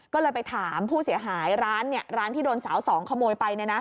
ก็เลยไปถามผู้เสียหายร้านที่โดนสาวสองขโมยไป